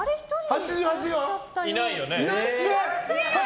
８８？いないよね。